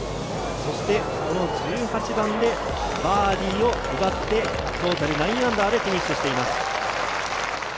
そしてこの１８番でバーディーを奪ってトータルー９でフィニッシュしています。